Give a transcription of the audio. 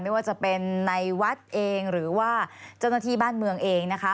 ไม่ว่าจะเป็นในวัดเองหรือว่าเจ้าหน้าที่บ้านเมืองเองนะคะ